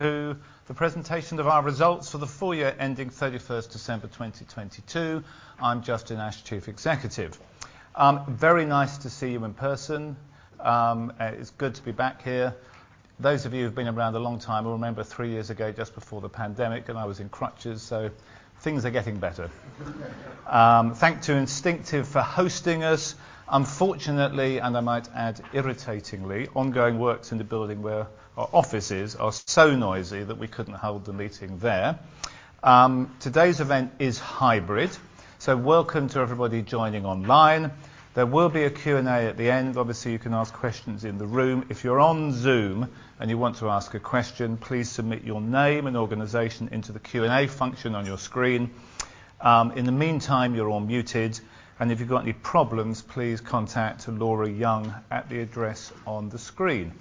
To the presentation of our results for the full year ending 31st December 2022. I'm Justin Ash, Chief Executive. Very nice to see you in person. It's good to be back here. Those of you who've been around a long time will remember three years ago, just before the pandemic, and I was in crutches, so things are getting better. Thank to Instinctif for hosting us. Unfortunately, and I might add irritatingly, ongoing works in the building where our offices are so noisy that we couldn't hold the meeting there. Today's event is hybrid, so welcome to everybody joining online. There will be a Q&A at the end. Obviously, you can ask questions in the room. If you're on Zoom and you want to ask a question, please submit your name and organization into the Q&A function on your screen. In the meantime, you're all muted, and if you've got any problems, please contact Laura Young at the address on the screen.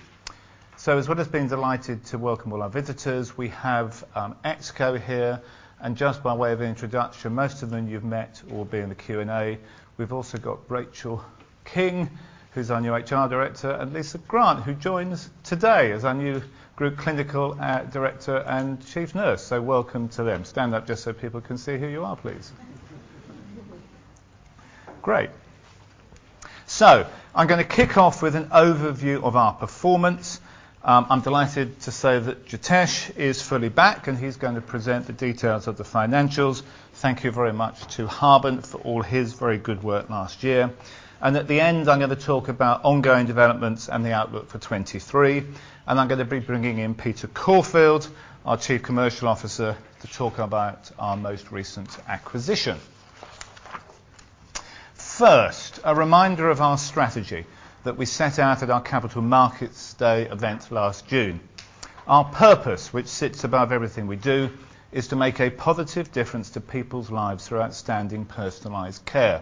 As well as being delighted to welcome all our visitors, we have ExCo here, and just by way of introduction, most of them you've met or be in the Q&A. We've also got Rachel King, who's our new HR Director, and Lisa Grant, who joins today as our new Group Clinical Director and Chief Nurse. Welcome to them. Stand up just so people can see who you are, please. Great. I'm gonna kick off with an overview of our performance. I'm delighted to say that Jitesh is fully back, and he's going to present the details of the financials. Thank you very much to Harbant for all his very good work last year. At the end, I'm gonna talk about ongoing developments and the outlook for 23, and I'm gonna be bringing in Peter Corfield, our Chief Commercial Officer, to talk about our most recent acquisition. First, a reminder of our strategy that we set out at our Capital Markets Day event last June. Our purpose, which sits above everything we do, is to make a positive difference to people's lives through outstanding personalized care.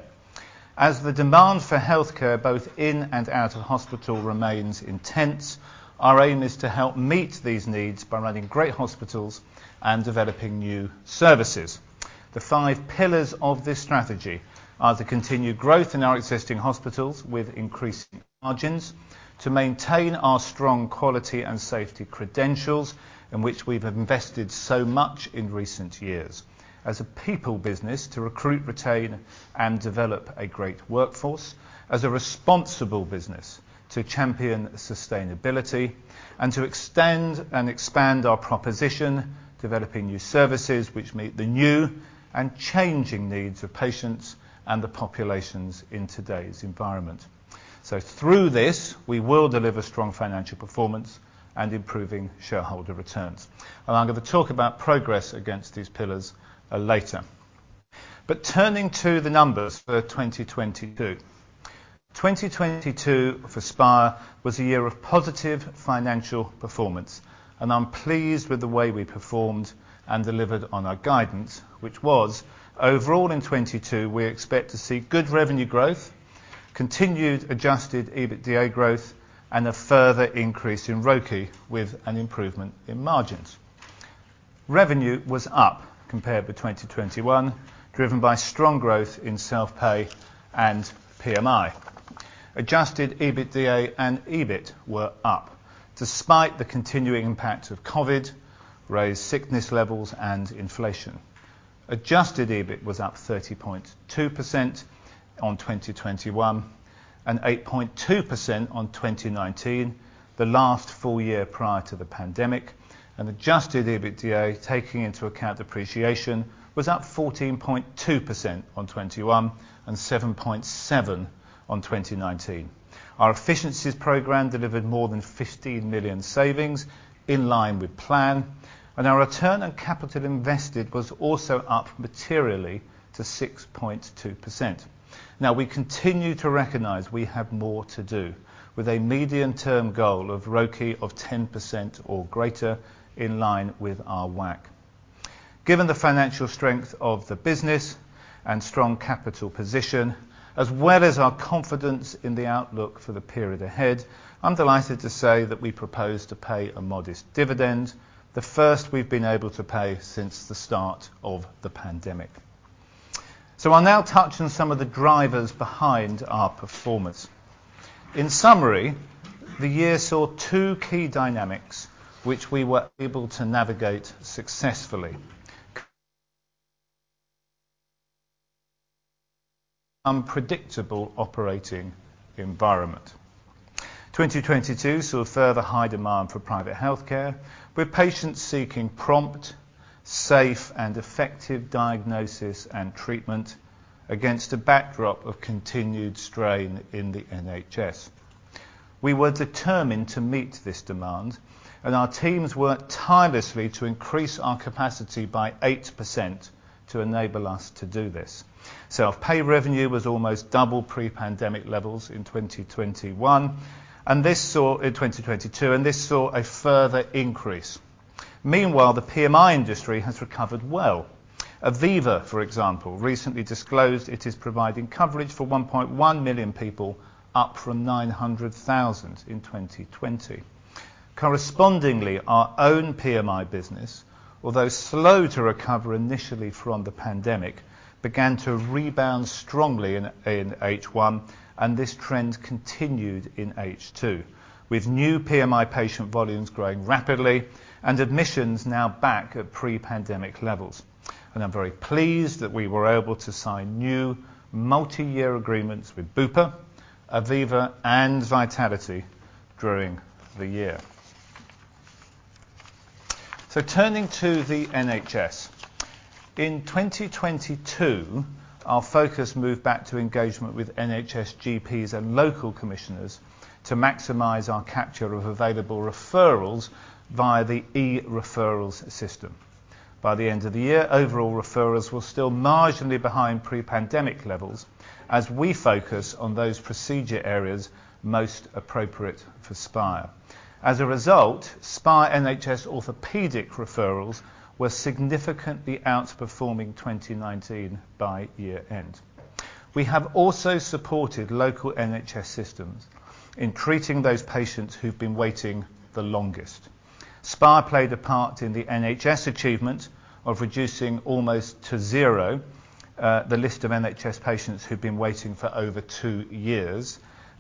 As the demand for healthcare, both in and out of hospital remains intense, our aim is to help meet these needs by running great hospitals and developing new services. The five pillars of this strategy are the continued growth in our existing hospitals with increasing margins, to maintain our strong quality and safety credentials in which we've invested so much in recent years. As a people business, to recruit, retain, and develop a great workforce. As a responsible business, to champion sustainability and to extend and expand our proposition, developing new services which meet the new and changing needs of patients and the populations in today's environment. Through this, we will deliver strong financial performance and improving shareholder returns. I'm gonna talk about progress against these pillars later. Turning to the numbers for 2022. 2022 for Spire was a year of positive financial performance, I'm pleased with the way we performed and delivered on our guidance, which was overall in 2022, we expect to see good revenue growth, continued Adjusted EBITDA growth, and a further increase in ROCE with an improvement in margins. Revenue was up compared with 2021, driven by strong growth in self-pay and PMI. Adjusted EBITDA and EBIT were up, despite the continuing impact of COVID, raised sickness levels and inflation. Adjusted EBIT was up 30.2% on 2021 and 8.2% on 2019, the last full year prior to the pandemic. Adjusted EBITDA, taking into account depreciation, was up 14.2% on 2021 and 7.7% on 2019. Our efficiencies program delivered more than 15 million savings in line with plan, and our return on capital invested was also up materially to 6.2%. We continue to recognize we have more to do with a medium-term goal of ROCE of 10% or greater in line with our WACC. Given the financial strength of the business and strong capital position, as well as our confidence in the outlook for the period ahead, I'm delighted to say that we propose to pay a modest dividend. The first we've been able to pay since the start of the pandemic. I'll now touch on some of the drivers behind our performance. In summary, the year saw two key dynamics, which we were able to navigate successfully. Unpredictable operating environment. 2022 saw further high demand for private healthcare with patients seeking prompt, safe and effective diagnosis and treatment against a backdrop of continued strain in the NHS. We were determined to meet this demand, and our teams worked tirelessly to increase our capacity by 8% to enable us to do this. Self-pay revenue was almost double pre-pandemic levels in 2022, and this saw a further increase. Meanwhile, the PMI industry has recovered well. Aviva, for example, recently disclosed it is providing coverage for 1.1 million people, up from 900,000 in 2020. Correspondingly, our own PMI business. Although slow to recover initially from the pandemic, began to rebound strongly in H1, and this trend continued in H2, with new PMI patient volumes growing rapidly and admissions now back at pre-pandemic levels. I'm very pleased that we were able to sign new multi-year agreements with Bupa, Aviva and Vitality during the year. Turning to the NHS. In 2022, our focus moved back to engagement with NHS GPs and local commissioners to maximize our capture of available referrals via the e-referrals system. By the end of the year, overall referrals were still marginally behind pre-pandemic levels as we focus on those procedure areas most appropriate for Spire. As a result, Spire NHS orthopedic referrals were significantly outperforming 2019 by year end. We have also supported local NHS systems in treating those patients who've been waiting the longest. Spire played a part in the NHS achievement of reducing almost to zero, the list of NHS patients who'd been waiting for over two years.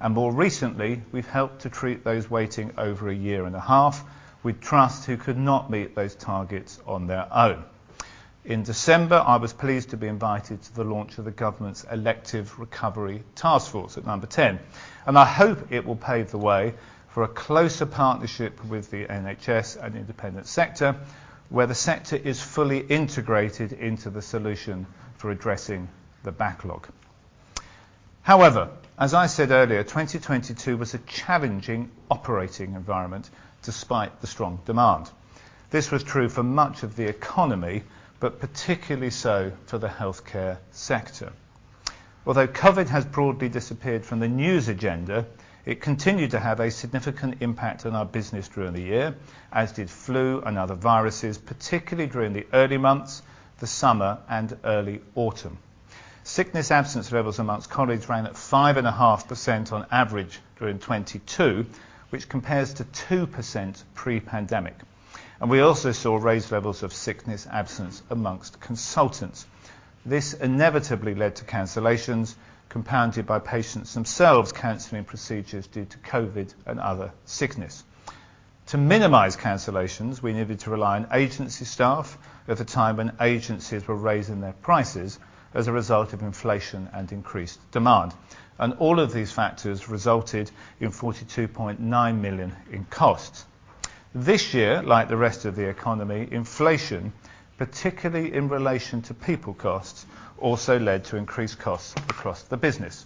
More recently, we've helped to treat those waiting over a year and a half with trusts who could not meet those targets on their own. In December, I was pleased to be invited to the launch of the government's Elective Recovery Taskforce at Number 10. I hope it will pave the way for a closer partnership with the NHS and independent sector, where the sector is fully integrated into the solution for addressing the backlog. However, as I said earlier, 2022 was a challenging operating environment despite the strong demand. This was true for much of the economy, particularly so for the healthcare sector. Although COVID has broadly disappeared from the news agenda, it continued to have a significant impact on our business during the year, as did flu and other viruses, particularly during the early months, the summer and early autumn. Sickness absence levels amongst colleagues ran at 5.5% on average during 2022, which compares to 2% pre-pandemic. We also saw raised levels of sickness absence amongst consultants. This inevitably led to cancellations, compounded by patients themselves canceling procedures due to COVID and other sickness. To minimize cancellations, we needed to rely on agency staff at a time when agencies were raising their prices as a result of inflation and increased demand. All of these factors resulted in 42.9 million in costs. This year, like the rest of the economy, inflation, particularly in relation to people costs, also led to increased costs across the business.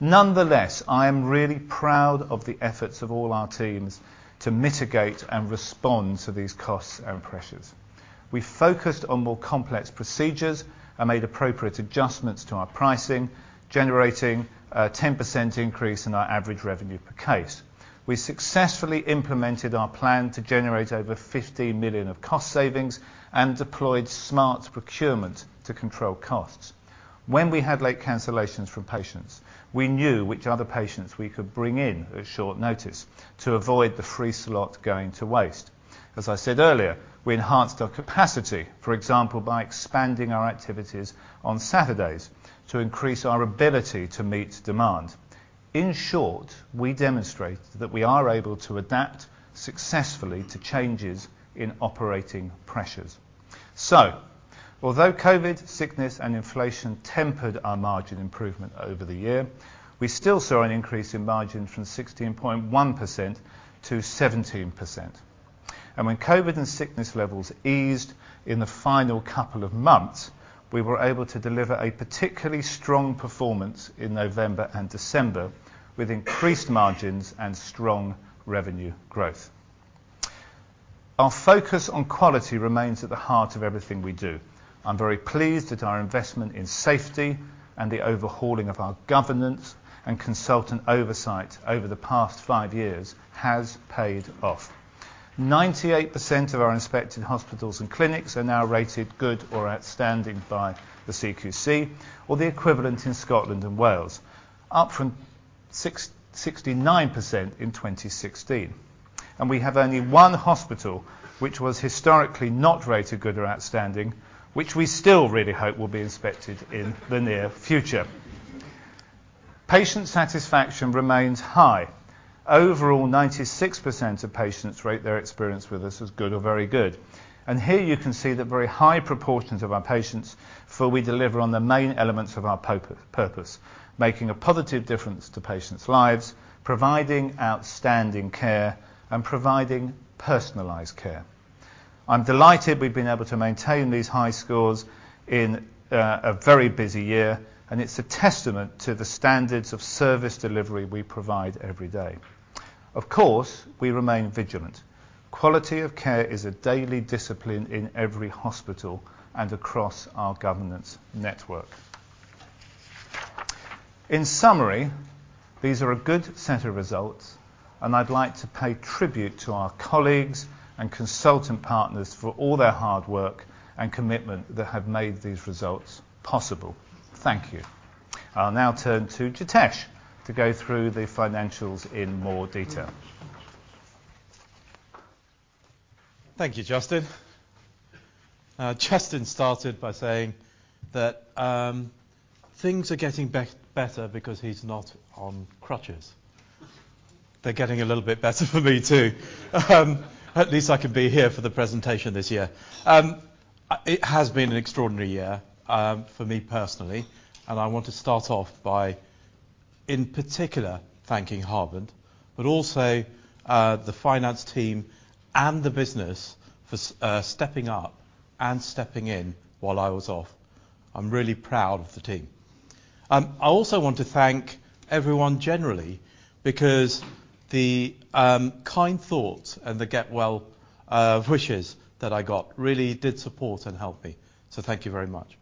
Nonetheless, I am really proud of the efforts of all our teams to mitigate and respond to these costs and pressures. We focused on more complex procedures and made appropriate adjustments to our pricing, generating a 10% increase in our average revenue per case. We successfully implemented our plan to generate over 50 million of cost savings and deployed smart procurement to control costs. When we had late cancellations from patients, we knew which other patients we could bring in at short notice to avoid the free slot going to waste. As I said earlier, we enhanced our capacity, for example, by expanding our activities on Saturdays to increase our ability to meet demand. In short, we demonstrate that we are able to adapt successfully to changes in operating pressures. Although COVID, sickness, and inflation tempered our margin improvement over the year, we still saw an increase in margin from 16.1% to 17%. When COVID and sickness levels eased in the final couple of months, we were able to deliver a particularly strong performance in November and December with increased margins and strong revenue growth. Our focus on quality remains at the heart of everything we do. I'm very pleased that our investment in safety and the overhauling of our governance and consultant oversight over the past five years has paid off. 98% of our inspected hospitals and clinics are now rated good or outstanding by the CQC or the equivalent in Scotland and Wales, up from 69% in 2016. We have only one hospital which was historically not rated good or outstanding, which we still really hope will be inspected in the near future. Patient satisfaction remains high. Overall, 96% of patients rate their experience with us as good or very good. Here you can see that very high proportions of our patients feel we deliver on the main elements of our purpose. Making a positive difference to patients' lives, providing outstanding care, and providing personalized care. I'm delighted we've been able to maintain these high scores in a very busy year and it's a testament to the standards of service delivery we provide every day. Of course, we remain vigilant. Quality of care is a daily discipline in every hospital and across our governance network. In summary, these are a good set of results, and I'd like to pay tribute to our colleagues and consultant partners for all their hard work and commitment that have made these results possible. Thank you. I'll now turn to Jitesh to go through the financials in more detail. Thank you, Justin. Justin started by saying that things are getting better because he's not on crutches. They're getting a little bit better for me, too. At least I could be here for the presentation this year. It has been an extraordinary year for me personally, and I want to start off by, in particular, thanking Harbant, but also the finance team and the business for stepping up and stepping in while I was off. I'm really proud of the team. I also want to thank everyone generally because the kind thoughts and the get well wishes that I got really did support and help me. Thank you very much.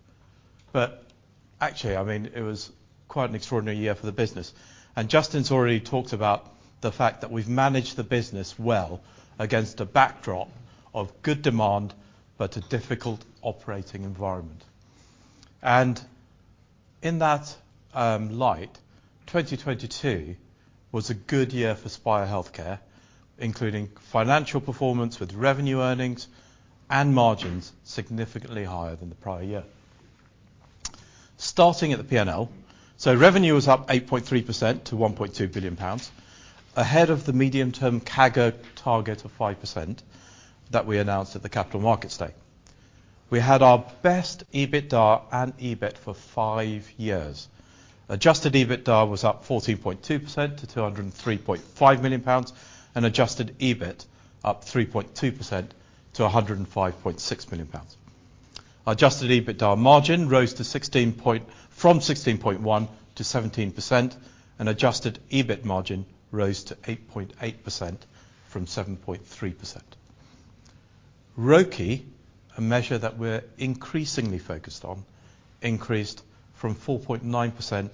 Actually, I mean, it was quite an extraordinary year for the business, and Justin's already talked about the fact that we've managed the business well against a backdrop of good demand, but a difficult operating environment. In that light, 2022 was a good year for Spire Healthcare, including financial performance with revenue earnings and margins significantly higher than the prior year. Starting at the P&L, revenue was up 8.3% to 1.2 billion pounds, ahead of the medium term CAGR target of 5% that we announced at the Capital Markets Day. We had our best EBITDA and EBIT for five years. Adjusted EBITDA was up 14.2% to 203.5 million pounds, and Adjusted EBIT up 3.2% to 105.6 million pounds. Adjusted EBITDA margin rose to 17% from 16.1%. Adjusted EBIT margin rose to 8.8% from 7.3%. ROCE, a measure that we're increasingly focused on, increased from 4.9%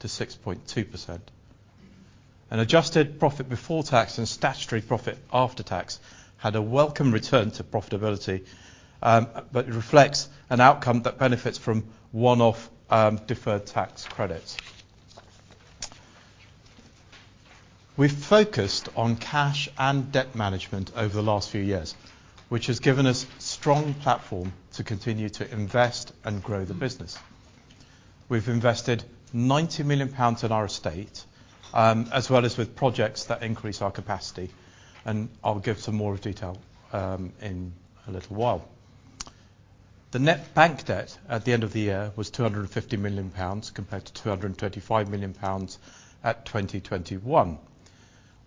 to 6.2%. Adjusted profit before tax and statutory profit after tax had a welcome return to profitability, but reflects an outcome that benefits from one-off deferred tax credits. We've focused on cash and debt management over the last few years, which has given us strong platform to continue to invest and grow the business. We've invested 90 million pounds in our estate, as well as with projects that increase our capacity. I'll give some more detail in a little while. The net bank debt at the end of the year was 250 million pounds compared to 235 million pounds at 2021.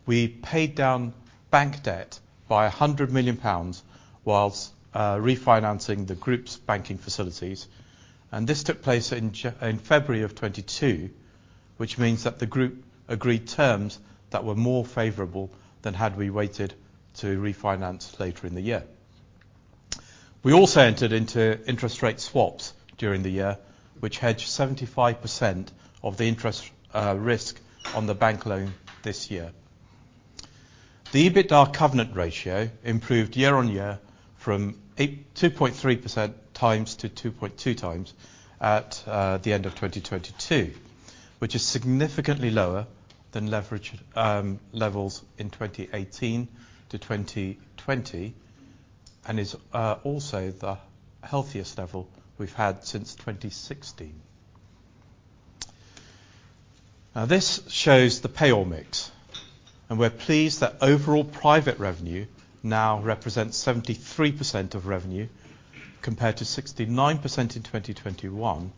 We paid down bank debt by 100 million pounds whilst refinancing the group's banking facilities. This took place in February of 2022, which means that the group agreed terms that were more favorable than had we waited to refinance later in the year. We also entered into interest rate swaps during the year, which hedged 75% of the interest risk on the bank loan this year. The EBITDA covenant ratio improved year-on-year from 82.3% times to 2.2x at the end of 2022, which is significantly lower than leverage levels in 2018 to 2020, and is also the healthiest level we've had since 2016. Now, this shows the payer mix, we're pleased that overall private revenue now represents 73% of revenue, compared to 69% in 2021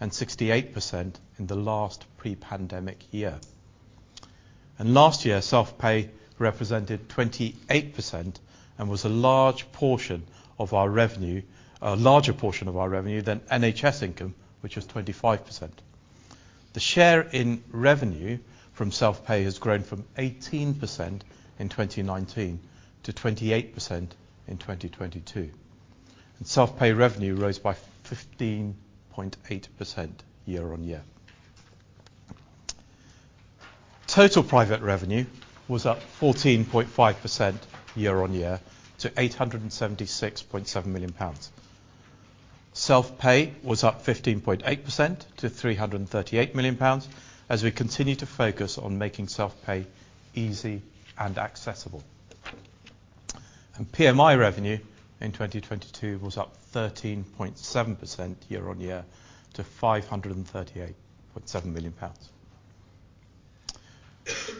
and 68% in the last pre-pandemic year. Last year, self-pay represented 28% and was a large portion of our revenue, a larger portion of our revenue than NHS income, which was 25%. The share in revenue from self-pay has grown from 18% in 2019 to 28% in 2022. Self-pay revenue rose by 15.8% year-on-year. Total private revenue was up 14.5% year on year to 876.7 million pounds. Self-pay was up 15.8% to 338 million pounds as we continue to focus on making self-pay easy and accessible. PMI revenue in 2022 was up 13.7% year on year to 538.7 million pounds.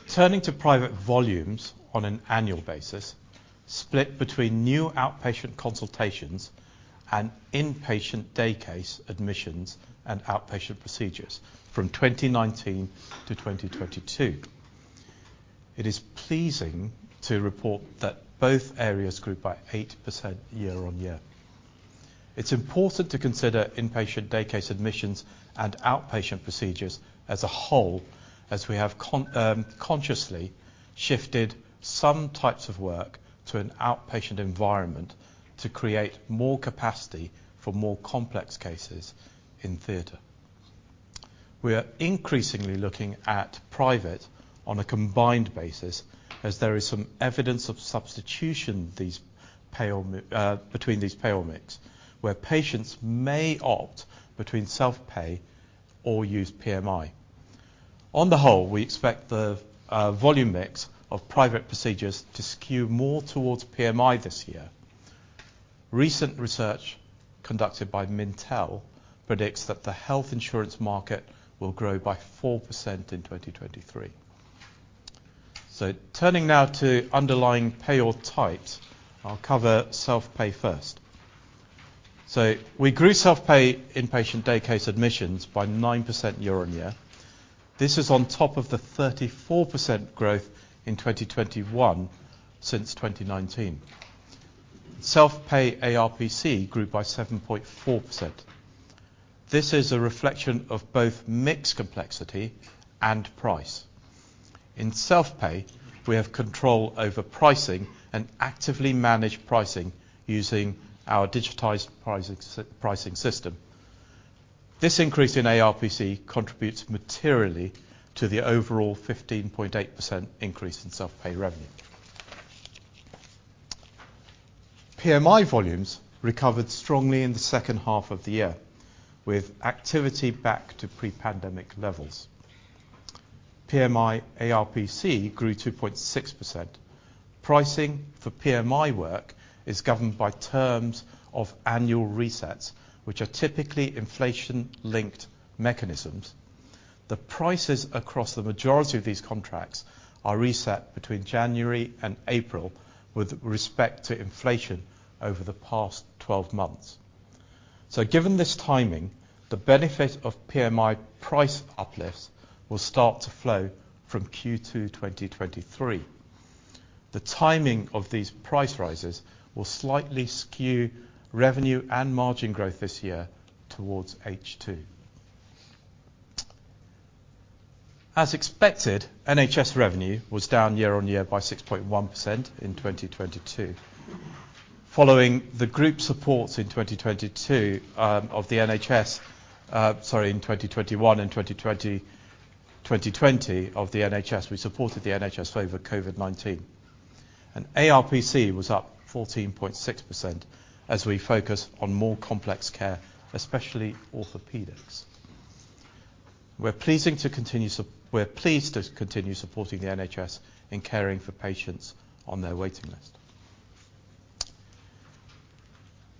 Turning to private volumes on an annual basis, split between new outpatient consultations and inpatient day case admissions and outpatient procedures from 2019 to 2022. It is pleasing to report that both areas grew by 8% year on year. It's important to consider inpatient day case admissions and outpatient procedures as a whole, as we have consciously shifted some types of work to an outpatient environment to create more capacity for more complex cases in theater. We are increasingly looking at private on a combined basis as there is some evidence of substitution between these payer mix, where patients may opt between self-pay or use PMI. On the whole, we expect the volume mix of private procedures to skew more towards PMI this year. Recent research conducted by Mintel predicts that the health insurance market will grow by 4% in 2023. Turning now to underlying payer types, I'll cover self-pay first. We grew self-pay inpatient day case admissions by 9% year-on-year. This is on top of the 34% growth in 2021 since 2019. Self-pay ARPC grew by 7.4%. This is a reflection of both mix complexity and price. In self-pay, we have control over pricing and actively manage pricing using our digitized Pricefx pricing system. This increase in ARPC contributes materially to the overall 15.8% increase in self-pay revenue. PMI volumes recovered strongly in the second half of the year, with activity back to pre-pandemic levels. PMI ARPC grew 2.6%. Pricing for PMI work is governed by terms of annual resets, which are typically inflation-linked mechanisms. The prices across the majority of these contracts are reset between January and April with respect to inflation over the past 12 months. Given this timing, the benefit of PMI price uplifts will start to flow from Q2 2023. The timing of these price rises will slightly skew revenue and margin growth this year towards H2. As expected, NHS revenue was down year-on-year by 6.1% in 2022. Following the group supports in 2022 of the NHS, in 2021 and 2020 of the NHS, we supported the NHS over COVID-19. ARPC was up 14.6% as we focus on more complex care, especially orthopedics. We're pleased to continue supporting the NHS in caring for patients on their waiting list.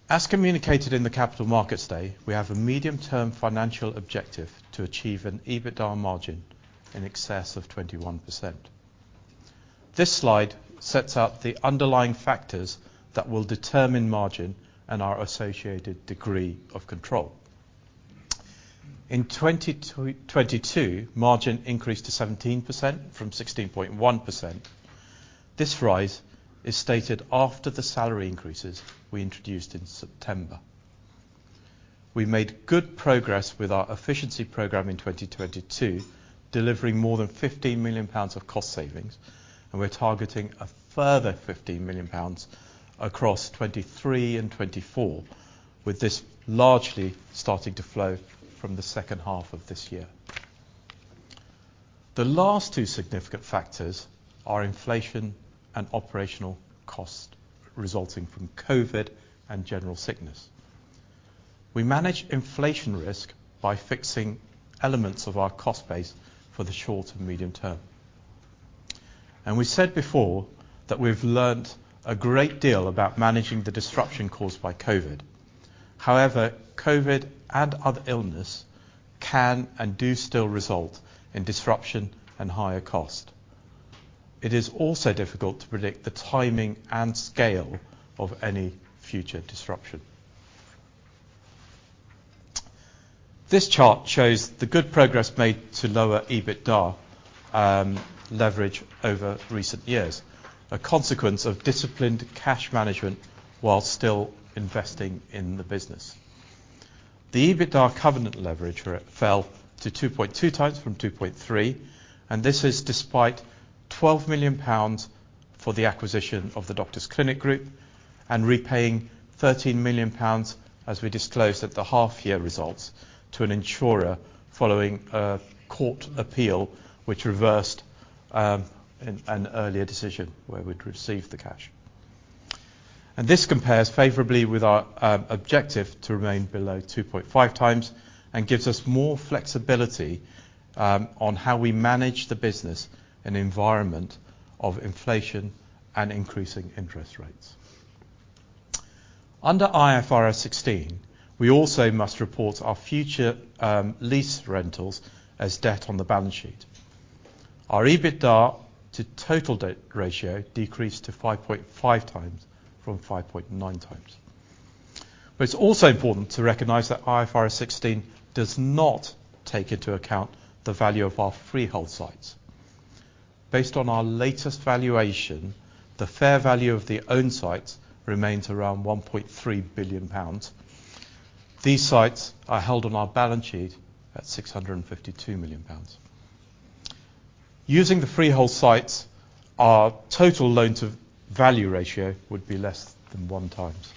As communicated in the Capital Markets Day, we have a medium-term financial objective to achieve an EBITDA margin in excess of 21%. This slide sets out the underlying factors that will determine margin and our associated degree of control. In 2022, margin increased to 17% from 16.1%. This rise is stated after the salary increases we introduced in September. We made good progress with our efficiency program in 2022, delivering more than 50 million pounds of cost savings, we're targeting a further 50 million pounds across 2023 and 2024, with this largely starting to flow from the second half of this year. The last two significant factors are inflation and operational cost resulting from COVID and general sickness. We manage inflation risk by fixing elements of our cost base for the short and medium term. We said before that we've learned a great deal about managing the disruption caused by COVID. However, COVID and other illness can and do still result in disruption and higher cost. It is also difficult to predict the timing and scale of any future disruption. This chart shows the good progress made to lower EBITDA leverage over recent years, a consequence of disciplined cash management while still investing in the business. The EBITDA covenant leverage fell to 2.2 times from 2.3, this is despite 12 million pounds for the acquisition of The Doctors Clinic Group and repaying 13 million pounds, as we disclosed at the half-year results, to an insurer following a court appeal which reversed an earlier decision where we'd received the cash. This compares favorably with our objective to remain below 2.5 times and gives us more flexibility on how we manage the business in environment of inflation and increasing interest rates. Under IFRS 16, we also must report our future lease rentals as debt on the balance sheet. Our EBITDA to total debt ratio decreased to 5.5 times from 5.9 times. It's also important to recognize that IFRS 16 does not take into account the value of our freehold sites. Based on our latest valuation, the fair value of the owned sites remains around 1.3 billion pounds. These sites are held on our balance sheet at 652 million pounds. Using the freehold sites, our total loan to value ratio would be less than one times.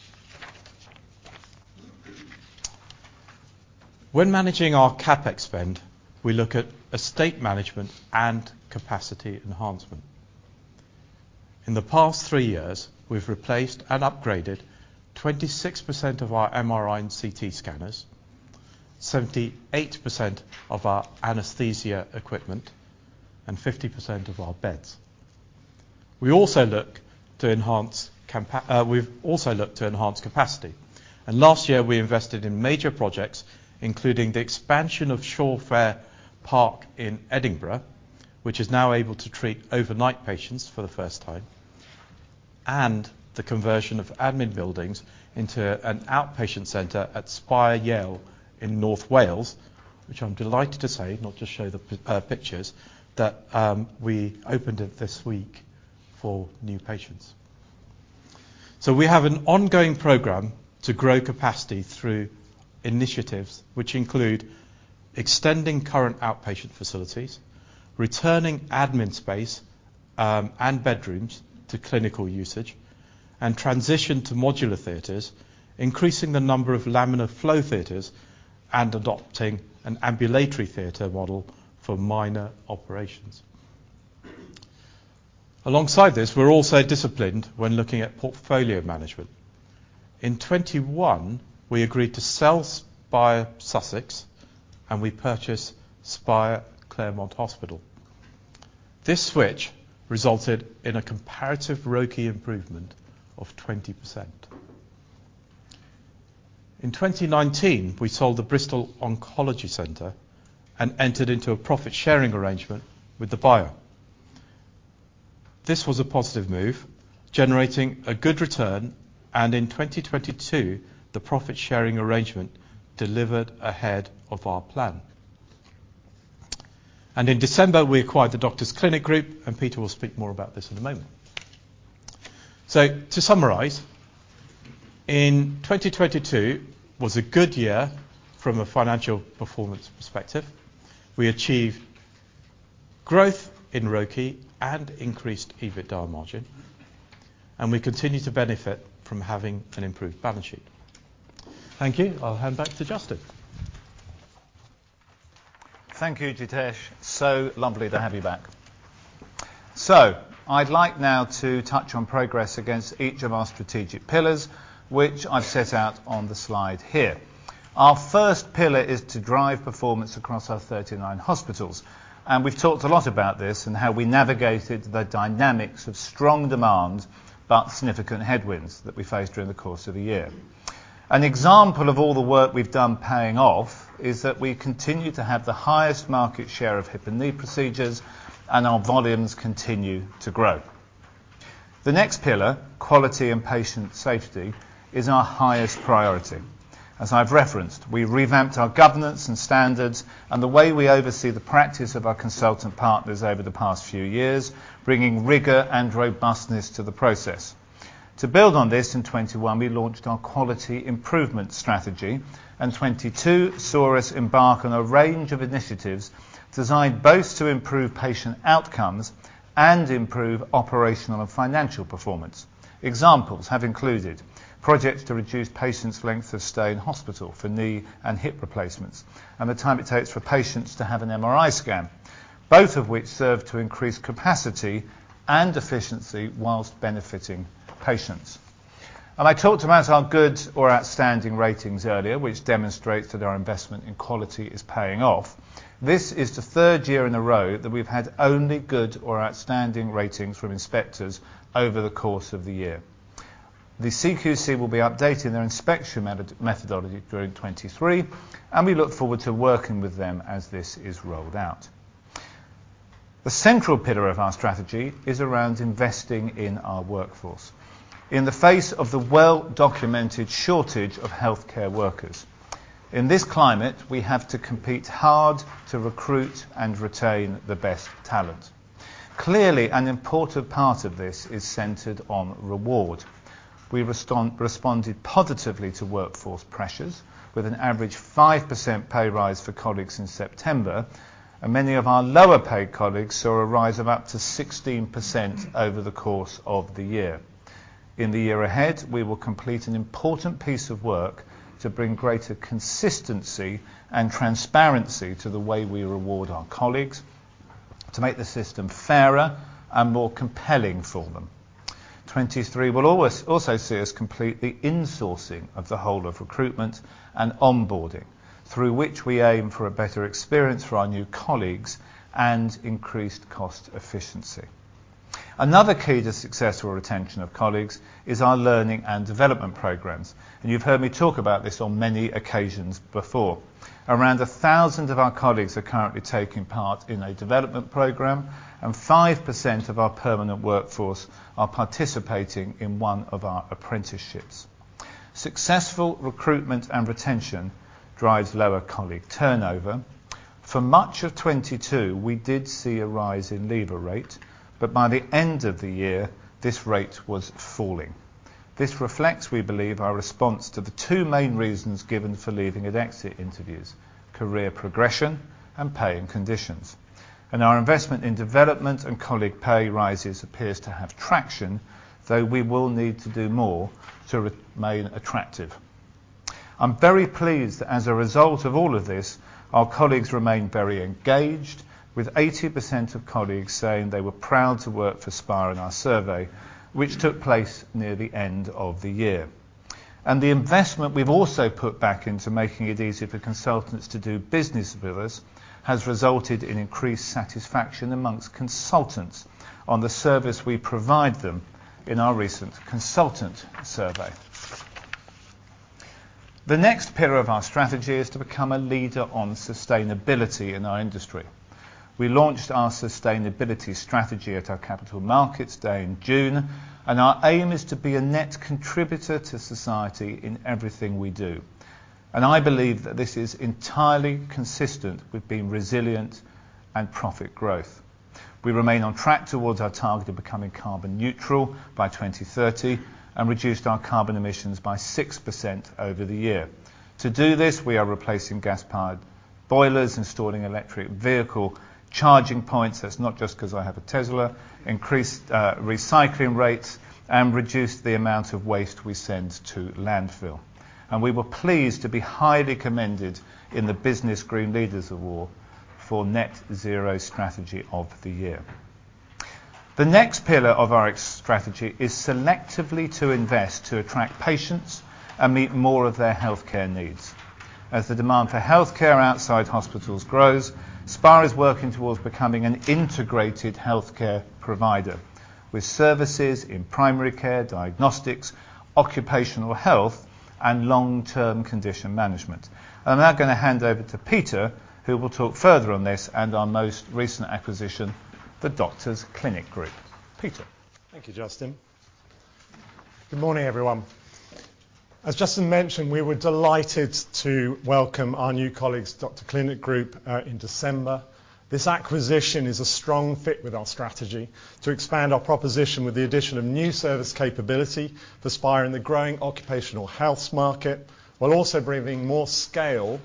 When managing our CapEx spend, we look at estate management and capacity enhancement. In the past three years, we've replaced and upgraded 26% of our MRI and CT scanners, 78% of our anesthesia equipment, and 50% of our beds. We also look to enhance capacity. Last year, we invested in major projects, including the expansion of Shawfair Park in Edinburgh, which is now able to treat overnight patients for the first time, and the conversion of admin buildings into an outpatient center at Spire Yale in North Wales, which I'm delighted to say, not just show the pictures, that we opened it this week for new patients. We have an ongoing program to grow capacity through initiatives which include extending current outpatient facilities, returning admin space, and bedrooms to clinical usage, and transition to modular theaters, increasing the number of laminar flow theaters, and adopting an ambulatory theater model for minor operations. Alongside this, we're also disciplined when looking at portfolio management. In 21, we agreed to sell Spire Sussex, and we purchased Spire Claremont Hospital. This switch resulted in a comparative ROCE improvement of 20%. In 2019, we sold the Spire Oncology Centre South West and entered into a profit-sharing arrangement with the buyer. This was a positive move, generating a good return, and in 2022, the profit-sharing arrangement delivered ahead of our plan. In December, we acquired The Doctors Clinic Group, and Peter will speak more about this in a moment. To summarize, 2022 was a good year from a financial performance perspective. We achieved growth in ROCE and increased EBITDA margin, and we continue to benefit from having an improved balance sheet. Thank you. I'll hand back to Justin. Thank you, Jitesh. Lovely to have you back. I'd like now to touch on progress against each of our strategic pillars, which I've set out on the slide here. Our first pillar is to drive performance across our 39 hospitals. We've talked a lot about this and how we navigated the dynamics of strong demand but significant headwinds that we faced during the course of the year. An example of all the work we've done paying off is that we continue to have the highest market share of hip and knee procedures. Our volumes continue to grow. The next pillar, quality and patient safety, is our highest priority. As I've referenced, we revamped our governance and standards and the way we oversee the practice of our consultant partners over the past few years, bringing rigor and robustness to the process. To build on this, in 2021, we launched our quality improvement strategy. 2022 saw us embark on a range of initiatives designed both to improve patient outcomes and improve operational and financial performance. Examples have included projects to reduce patients' length of stay in hospital for knee and hip replacements and the time it takes for patients to have an MRI scan, both of which serve to increase capacity and efficiency while benefiting patients. I talked about our good or outstanding ratings earlier, which demonstrates that our investment in quality is paying off. This is the third year in a row that we've had only good or outstanding ratings from inspectors over the course of the year. The CQC will be updating their inspection methodology during 2023. We look forward to working with them as this is rolled out. The central pillar of our strategy is around investing in our workforce in the face of the well-documented shortage of healthcare workers. In this climate, we have to compete hard to recruit and retain the best talent. Clearly, an important part of this is centered on reward. We responded positively to workforce pressures with an average 5% pay rise for colleagues in September, and many of our lower-paid colleagues saw a rise of up to 16% over the course of the year. In the year ahead, we will complete an important piece of work to bring greater consistency and transparency to the way we reward our colleagues to make the system fairer and more compelling for them. 2023 will also see us complete the insourcing of the whole of recruitment and onboarding, through which we aim for a better experience for our new colleagues and increased cost efficiency. Another key to success or retention of colleagues is our learning and development programs. You've heard me talk about this on many occasions before. Around 1,000 of our colleagues are currently taking part in a development program of 5% of our permanent workforce are participating in one of our apprenticeships. Successful recruitment and retention drives lower colleague turnover. For much of 2022, we did see a rise in leaver rate. By the end of the year, this rate was falling. This reflects, we believe, our response to the two main reasons given for leaving at exit interviews, career progression and pay and conditions. Our investment in development and colleague pay rises appears to have traction, though we will need to do more to remain attractive. I'm very pleased as a result of all of this, our colleagues remain very engaged, with 80% of colleagues saying they were proud to work for Spire in our survey, which took place near the end of the year. The investment we've also put back into making it easier for consultants to do business with us has resulted in increased satisfaction amongst consultants on the service we provide them in our recent consultant survey. The next pillar of our strategy is to become a leader on sustainability in our industry. We launched our sustainability strategy at our Capital Markets Day in June, and our aim is to be a net contributor to society in everything we do. I believe that this is entirely consistent with being resilient and profit growth. We remain on track towards our target of becoming carbon neutral by 2030 and reduced our carbon emissions by 6% over the year. To do this, we are replacing gas-powered boilers, installing electric vehicle charging points, that's not just 'cause I have a Tesla, increased recycling rates, and reduced the amount of waste we send to landfill. We were pleased to be highly commended in the BusinessGreen Leaders Awards for Net Zero Strategy of the Year. The next pillar of our strategy is selectively to invest to attract patients and meet more of their healthcare needs. As the demand for healthcare outside hospitals grows, Spire is working towards becoming an integrated healthcare provider with services in primary care, diagnostics, occupational health, and long-term condition management. I'm now gonna hand over to Peter, who will talk further on this and our most recent acquisition, The Doctors Clinic Group. Peter. Thank you, Justin. Good morning, everyone. As Justin mentioned, we were delighted to welcome our new colleagues, The Doctors Clinic Group in December. This acquisition is a strong fit with our strategy to expand our proposition with the addition of new service capability for Spire in the growing occupational health market, while also bringing more scale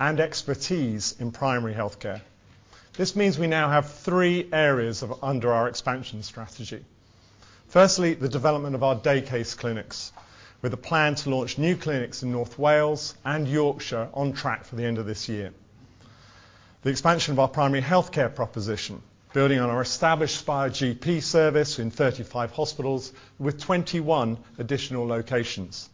and expertise in primary healthcare. This means we now have three areas of under our expansion strategy. Firstly, the development of our day case clinics, with a plan to launch new clinics in North Wales and Yorkshire on track for the end of this year. The expansion of our primary healthcare proposition, building on our established Spire GP service in 35 hospitals with 21 additional locations.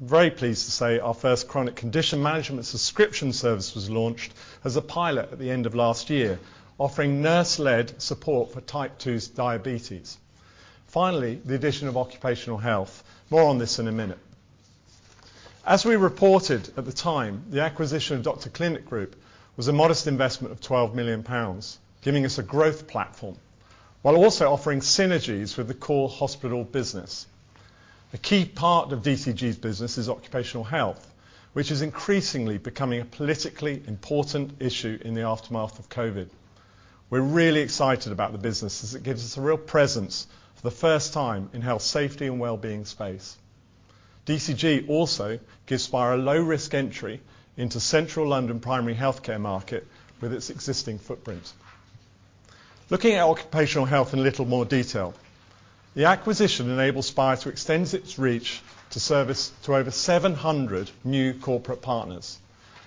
Very pleased to say our first chronic condition management subscription service was launched as a pilot at the end of last year, offering nurse-led support for type two diabetes. The addition of occupational health. More on this in a minute. As we reported at the time, the acquisition of The Doctors Clinic Group was a modest investment of 12 million pounds, giving us a growth platform while also offering synergies with the core hospital business. A key part of DCG's business is occupational health, which is increasingly becoming a politically important issue in the aftermath of COVID. We're really excited about the business as it gives us a real presence for the first time in health safety and well-being space. DCG also gives Spire a low-risk entry into Central London primary healthcare market with its existing footprint. Looking at occupational health in a little more detail, the acquisition enables Spire to extend its reach to service to over 700 new corporate partners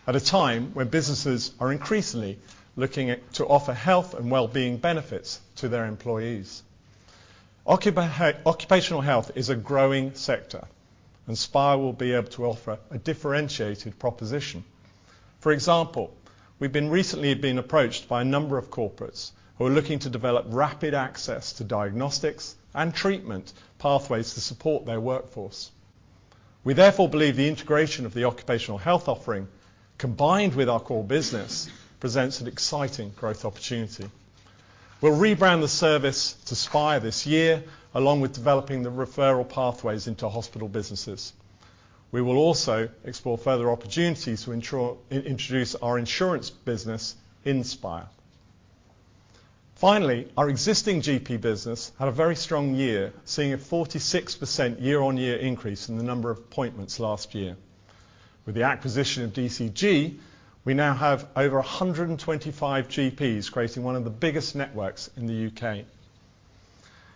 at a time when businesses are increasingly looking at to offer health and well-being benefits to their employees. Occupational health is a growing sector, Spire will be able to offer a differentiated proposition. For example, we've recently been approached by a number of corporates who are looking to develop rapid access to diagnostics and treatment pathways to support their workforce. We therefore believe the integration of the occupational health offering, combined with our core business, presents an exciting growth opportunity. We'll rebrand the service to Spire this year, along with developing the referral pathways into hospital businesses. We will also explore further opportunities to introduce our insurance business in Spire. Our existing GP business had a very strong year, seeing a 46% year-on-year increase in the number of appointments last year. With the acquisition of DCG, we now have over 125 GPs, creating one of the biggest networks in the U.K.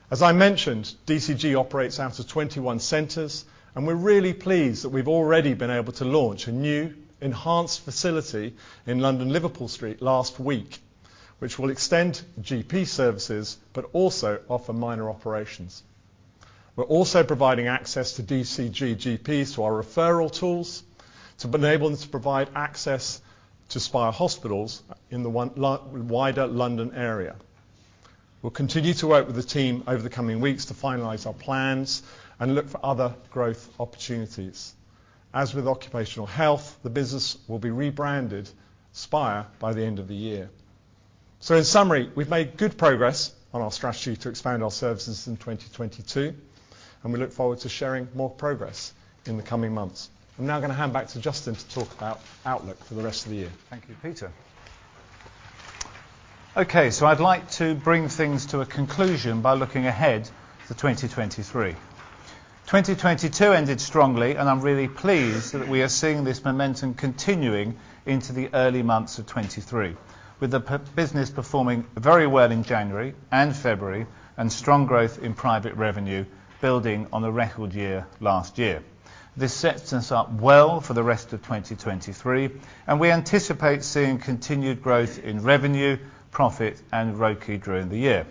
As I mentioned, DCG operates out of 21 centers, we're really pleased that we've already been able to launch a new enhanced facility in London, Liverpool Street last week, which will extend GP services but also offer minor operations. We're also providing access to DCG GPs to our referral tools to enable them to provide access to Spire hospitals in the wider London area. We'll continue to work with the team over the coming weeks to finalize our plans and look for other growth opportunities. As with occupational health, the business will be rebranded Spire by the end of the year. In summary, we've made good progress on our strategy to expand our services in 2022, We look forward to sharing more progress in the coming months. I'm now going to hand back to Justin to talk about outlook for the rest of the year. Thank you, Peter. Okay, I'd like to bring things to a conclusion by looking ahead to 2023. 2022 ended strongly, and I'm really pleased that we are seeing this momentum continuing into the early months of 2023, with the business performing very well in January and February and strong growth in private revenue building on a record year last year. This sets us up well for the rest of 2023, and we anticipate seeing continued growth in revenue, profit, and ROCE during the year.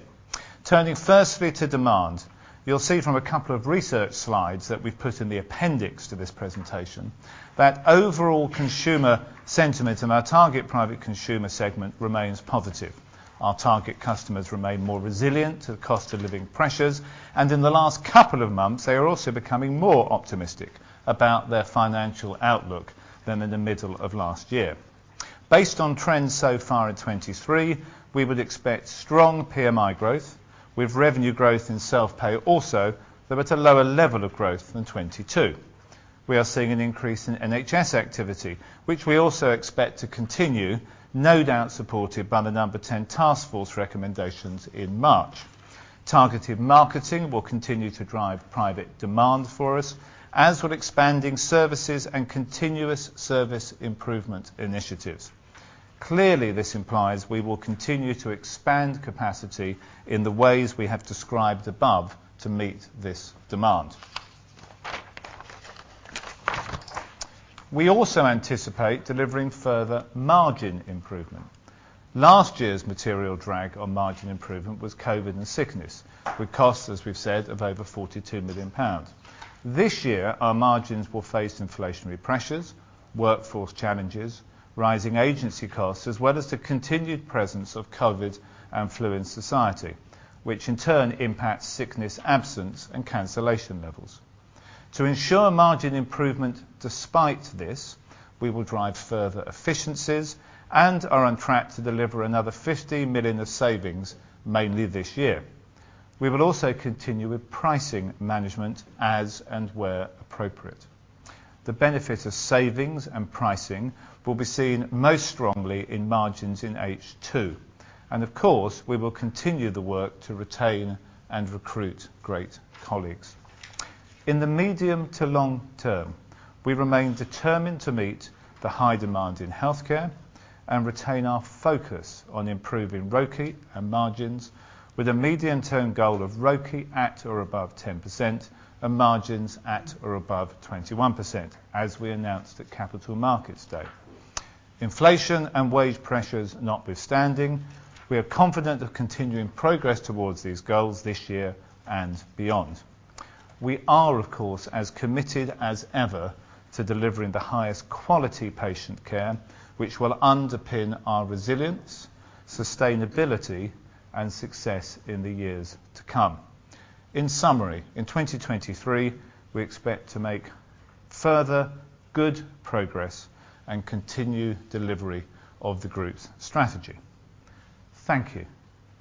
Turning firstly to demand. You'll see from a couple of research slides that we've put in the appendix to this presentation that overall consumer sentiment in our target private consumer segment remains positive. Our target customers remain more resilient to cost of living pressures. In the last couple of months, they are also becoming more optimistic about their financial outlook than in the middle of last year. Based on trends so far in 2023, we would expect strong PMI growth with revenue growth in self-pay also, though at a lower level of growth than 2022. We are seeing an increase in NHS activity, which we also expect to continue, no doubt supported by the Number 10 Task Force recommendations in March. Targeted marketing will continue to drive private demand for us, as will expanding services and continuous service improvement initiatives. Clearly, this implies we will continue to expand capacity in the ways we have described above to meet this demand. We also anticipate delivering further margin improvement. Last year's material drag on margin improvement was COVID and sickness with costs, as we've said, of over 42 million pounds. This year, our margins will face inflationary pressures, workforce challenges, rising agency costs, as well as the continued presence of COVID and flu in society, which in turn impacts sickness absence and cancellation levels. To ensure margin improvement despite this, we will drive further efficiencies and are on track to deliver another 50 million of savings mainly this year. We will also continue with pricing management as and where appropriate. The benefit of savings and pricing will be seen most strongly in margins in H2. Of course, we will continue the work to retain and recruit great colleagues. In the medium to long term, we remain determined to meet the high demand in healthcare and retain our focus on improving ROCE and margins with a medium-term goal of ROCE at or above 10% and margins at or above 21%, as we announced at Capital Markets Day. Inflation and wage pressures notwithstanding, we are confident of continuing progress towards these goals this year and beyond. We are, of course, as committed as ever to delivering the highest quality patient care, which will underpin our resilience, sustainability, and success in the years to come. In summary, in 2023, we expect to make further good progress and continue delivery of the group's strategy. Thank you.